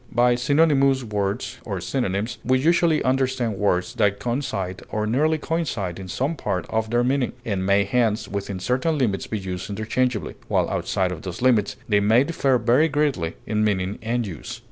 By synonymous words (or synonyms) we usually understand words that coincide or nearly coincide in some part of their meaning, and may hence within certain limits be used interchangeably, while outside of those limits they may differ very greatly in meaning and use.